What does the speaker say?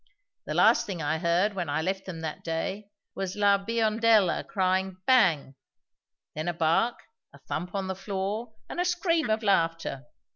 The last thing I heard, when I left them that day, was La Biondella crying 'Bang!' then a bark, a thump on the floor, and a scream of laughter.